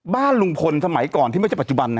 บ้านลุงพลสมัยก่อนที่ไม่ใช่ปัจจุบันนะ